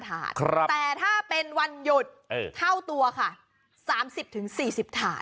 แต่ถ้าเป็นวันหยุดเท่าตัวค่ะ๓๐๔๐ถาด